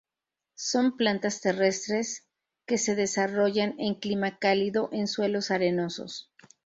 Son plantas terrestres que se desarrollan en clima cálido en suelos arenosos.